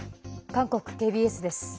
韓国ＫＢＳです。